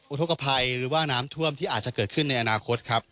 อุทธกภัยหรือว่าน้ำท่วมที่อาจจะเกิดขึ้นในอนาคตครับ